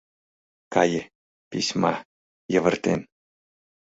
Кае, письма, йывыртен